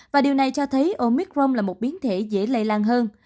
và điều này cho thấy omicrom là một biến thể dễ lây lan hơn